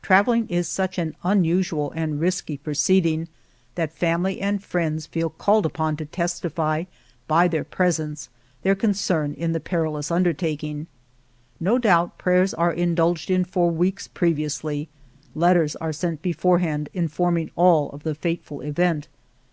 Travelling is such an unu sual and risky proceeding that family and friends feel called upon to testify, by their presence, their concern in the peril ous undertaking. No doubt prayers are in dulged in for weeks previously, letters are sent beforehand informing all of the fateful event.